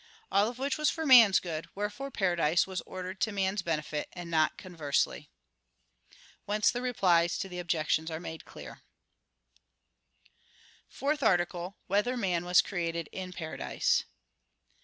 All of which was for man's good; wherefore paradise was ordered to man's benefit, and not conversely. Whence the Replies to the Objections are made clear. _______________________ FOURTH ARTICLE [I, Q. 102, Art. 4] Whether Man Was Created in Paradise?